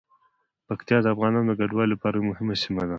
پکتیا د افغانانو د کډوالۍ لپاره یوه مهمه سیمه ده.